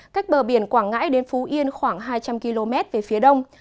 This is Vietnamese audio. cách bờ biển quảng ngãi đến phú yên khoảng hai trăm linh km về phía đông